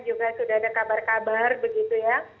juga sudah ada kabar kabar begitu ya